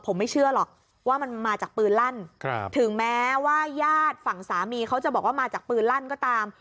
ผมไม่เชื่อหรอกว่ามันมาจากปืนลั่นถึงแม้ว่าญาติฝั่งสามีเขาจะบอกว่ามาจากปืนลั่นก็ตาม